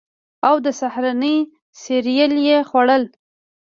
او د سهارنۍ سیریل یې خوړل